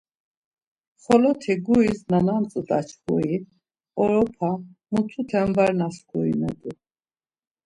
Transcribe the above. Xoloti guris na nantzu daçxuri, oropa, mutute var naskurinet̆u.